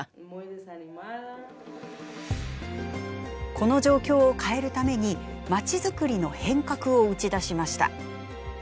この状況を変えるためにまちづくりの変革を打ち出しました。